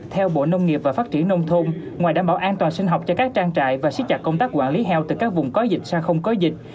theo bộ nông nghiệp và phát triển nông thôn ngoài đảm bảo an toàn sinh học cho các trang trại và xích chặt công tác quản lý heo từ các vùng có dịch sang không có dịch